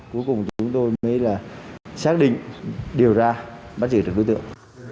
cuối cùng chúng tôi mới là xác định điều tra bắt giữ được đối tượng